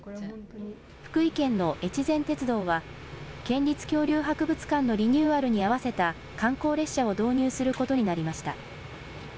福井県のえちぜん鉄道は県立恐竜博物館のリニューアルに合わせた観光列車を導入することになりました。